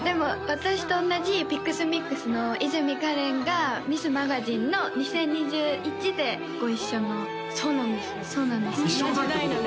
私と同じＰｉＸＭｉＸの和泉芳怜がミスマガジンの２０２１でご一緒のそうなんですよ